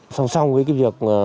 song song với việc